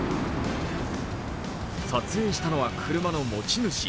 撮影したのは車の持ち主。